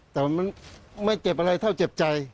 แต่มันไม่เก็บอะไรเท่าเจ็บใจ